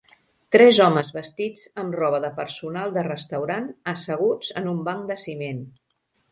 Tres homes vestits amb roba de personal de restaurant asseguts en un banc de ciment.